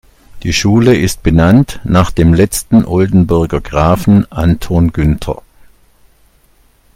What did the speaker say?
Die Schule ist benannt nach dem letzten Oldenburger Grafen Anton Günther.